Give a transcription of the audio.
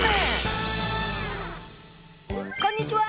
こんにちは！